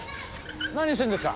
何してんですか？